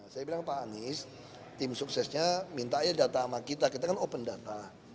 saya bilang pak anies tim suksesnya minta aja data sama kita kita kan open data